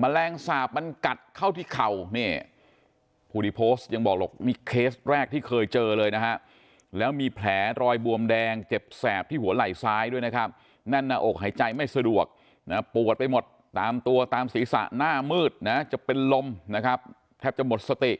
แมลงสาปมันกัดเข้าที่เข่าเนี่ยผู้ที่โพสต์ยังบอกหรอกมีเคสแรกที่เคยเจอเลยนะฮะแล้วมีแผลรอยบวมแดงเจ็บแสบที่หัวไหล่ซ้ายด้วยนะครับแน่นหน้าอกหายใจไม่สะดวกนะปวดไปหมดตามตัวตามศีรษะหน้ามืดนะจะเป็นลมนะครับแทบจะหมดสติ